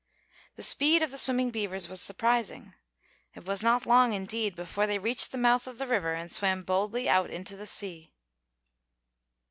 The speed of the swimming beavers was surprising. It was not long, indeed, before they reached the mouth of the river and swam boldly out into the sea.